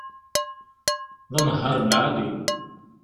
D anehhar n lεali